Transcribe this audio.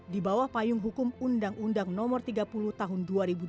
di bawah payung hukum undang undang no tiga puluh tahun dua ribu dua